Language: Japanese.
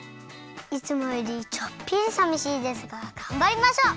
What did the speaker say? いつもよりちょっぴりさみしいですががんばりましょう！